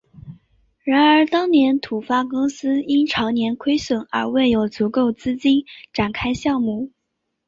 然而当年土发公司因长年亏损而未有足够资金展开项目。